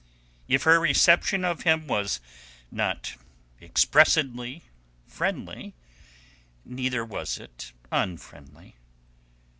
If her reception of him was not expressedly friendly, neither was it unfriendly.